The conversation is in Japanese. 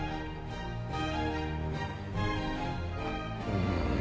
うん。